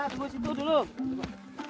tunggu situ dulu